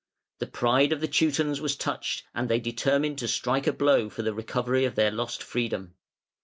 The pride of the Teutons was touched, and they determined to strike a blow for the recovery of their lost freedom.